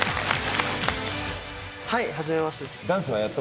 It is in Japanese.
はいはじめましてです。